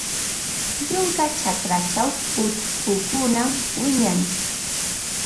Yunka chakrachaw pushkukunam wiñan.